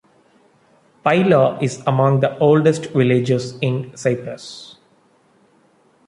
Pyla is among the oldest villages in Cyprus.